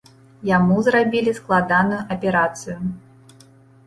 Яму зрабілі складаную аперацыю.